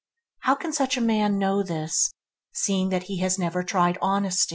How can such a man know this, seeing that he has never tried honest?